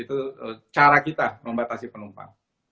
itu cara kita membatasi penumpang